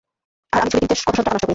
আর আমি ছুরি কিনতে কতশত টাকা নষ্ট করি।